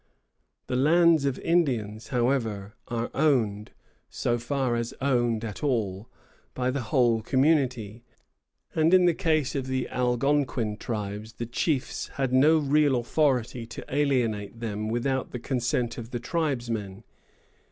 The lands of Indians, however, are owned, so far as owned at all, by the whole community; and in the case of the Algonquin tribes the chiefs had no real authority to alienate them without the consent of the tribesmen.